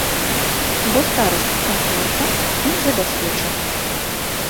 Бо старасць з камфортам ім забяспечана.